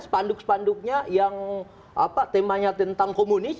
sepanduk sepanduknya yang temanya tentang komunis